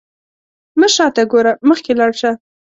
مه شاته ګوره، مخکې لاړ شه.